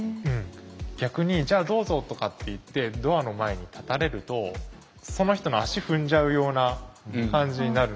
逆に「じゃあどうぞ」とかっていってドアの前に立たれるとその人の足踏んじゃうような感じになる。